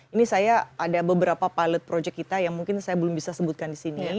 ini saya ada beberapa pilot project kita yang mungkin saya belum bisa sebutkan di sini